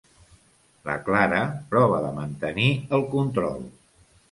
La Clara prova de mantenir el control.